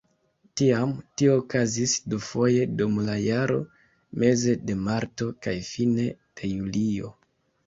Tiam tio okazis dufoje dum la jaro: meze de marto kaj fine de julio.